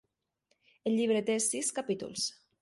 El llibre té sis capítols.